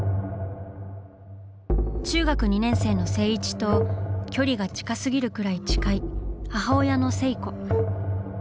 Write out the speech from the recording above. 中学２年生の静一と距離が近すぎるくらい近い母親の静子。